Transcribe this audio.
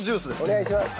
お願いします。